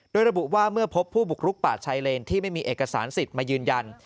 โดยระบุว่าเมื่อพบผู้บุกรุกป่าชายเลนที่ไม่มีเอกสารสิทธิ์มายืนยัน